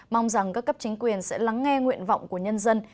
mong rằng các cấp chính quyền sẽ lắng nghe nguyện vọng của nhân dân